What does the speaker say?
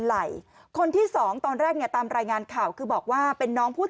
ไหล่คนที่สองตอนแรกเนี่ยตามรายงานข่าวคือบอกว่าเป็นน้องผู้